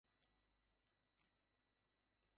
কখন কোন ফুটবলার গোলবারে বল না মেরে তার মাথায় বল মারবে?